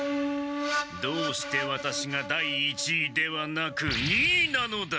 どうしてワタシが第一位ではなく二位なのだ！